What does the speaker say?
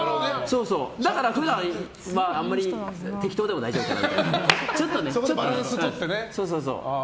だから普段はあまり適当でも大丈夫みたいな。